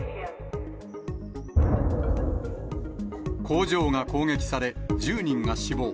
工場が攻撃され、１０人が死亡。